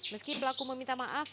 meski pelaku meminta maaf